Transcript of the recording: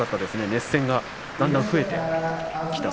熱戦がだんだん増えてきた